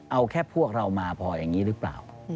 เอาแค่พวกเรามาพออย่างนี้หรือเปล่า